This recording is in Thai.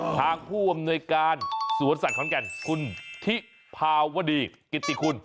ทางผู้อำนวยการสวนสัตว์ขอนแก่นคุณทิภาวดีกิติคุณ